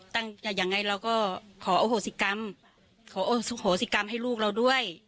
จะยังไงเราก็ขอโอโหสิกรรมขอโหสิกรรมให้ลูกเราด้วย